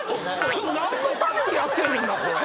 それ何のためにやってんねんなこれ。